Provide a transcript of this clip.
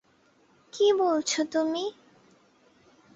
কি বলছো তুমি?